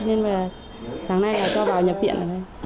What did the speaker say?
nên là sáng nay là cho vào nhập viện